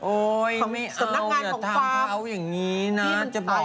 โอ๊ยไม่เอาอย่าทำเขาอย่างนี้นะจะบอกให้